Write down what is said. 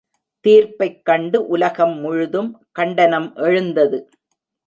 தீர்ப்பைக் கண்டு உலகம் முழுதும் கண்டனம் எழுந்தது.